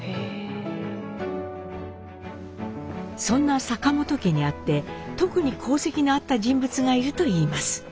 そんな坂本家にあって特に功績のあった人物がいるといいます。